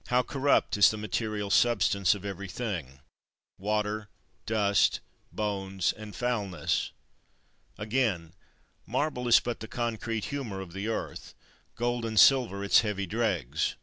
36. How corrupt is the material substance of every thing, water, dust, bones, and foulness! Again; marble is but the concrete humour of the earth, gold and silver its heavy dregs.